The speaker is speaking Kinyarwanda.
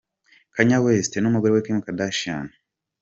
Kanye West n'umugore we Kim Kardashian.